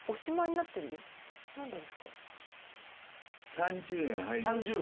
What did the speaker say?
３０円。